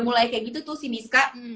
mulai kayak gitu tuh si miska